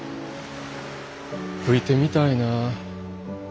吹いてみたいなあ。